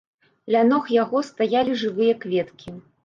Ля ног яго стаялі жывыя кветкі.